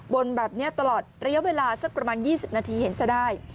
บนแบบนี้ตลอดระยะเวลาสักประมาณ๒๐นาทีเห็นจะได้